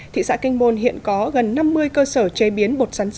thị xã kinh môn hiện có gần năm mươi cơ sở chế biến